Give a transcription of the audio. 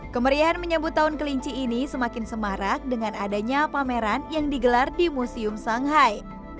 kemeriahan menyambut tahun kelinci ini semakin semarak dengan adanya pameran yang digelar di museum shanghai